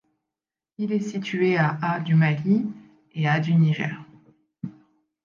Il est situé à du Mali et à du Niger.